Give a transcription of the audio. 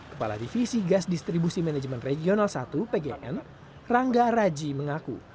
kepala divisi gas distribusi manajemen regional satu pgn rangga raji mengaku